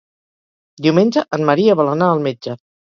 Diumenge en Maria vol anar al metge.